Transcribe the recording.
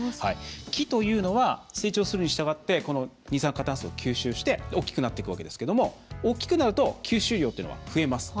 木というのは成長するにしたがって二酸化炭素を吸収して大きくなるわけですけれども大きくなると吸収量は増えます。